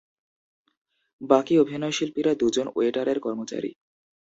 বাকি অভিনয়শিল্পীরা দুজন ওয়েটারের কর্মচারী।